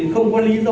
không có thở